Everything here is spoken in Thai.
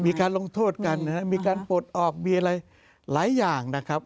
มีการลงโทษกันนะครับมีการปลดออกมีอะไรหลายอย่างนะครับ